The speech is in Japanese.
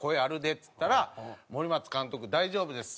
っつったら「森松監督大丈夫です。